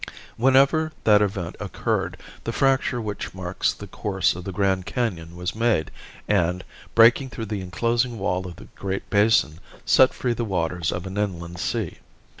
Whenever that event occurred the fracture which marks the course of the Grand Canon was made and, breaking through the enclosing wall of the Great Basin, set free the waters of an inland sea.